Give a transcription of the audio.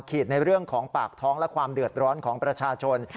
ในเรื่องของปากท้องและความเดือดร้อนของประชาชน